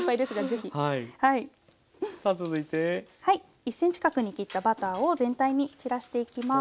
１ｃｍ角に切ったバターを全体に散らしていきます。